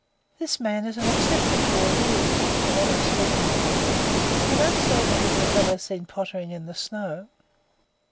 "This man is an exception to all rules. The one I'm speaking of, I mean. I don't say that he's the fellow seen pottering in the snow."